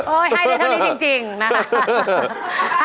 โอ้ยให้ได้เท่านี้จริงนะครับ